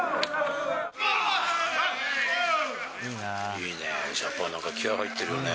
いいね、ジャパン、なんか気合入ってるよね。